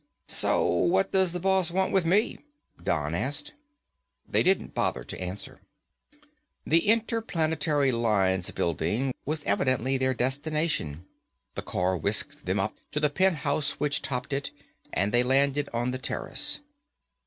"So what does the boss want with me?" Don said. They didn't bother to answer. The Interplanetary Lines building was evidently their destination. The car whisked them up to the penthouse which topped it, and they landed on the terrace.